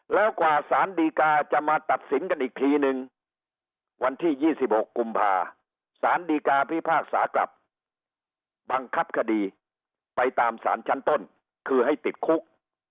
แล้วกว่าสารดีกาจะมาตัดสินกันอีกทีนึงวันที่๒๖กุมภาสารดีกาพิพากษากลับบังคับคดีไปตามสารชั้นต้นคือให้ติดคุก